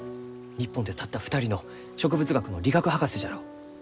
日本でたった２人の植物学の理学博士じゃろう！